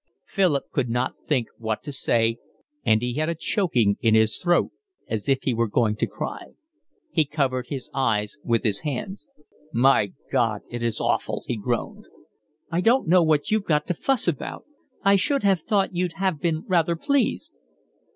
Philip could not think what to say, and he had a choking in his throat as if he were going to cry. He covered his eyes with his hands. "My God, it is awful," he groaned. "I don't know what you've got to fuss about. I should have thought you'd have been rather pleased."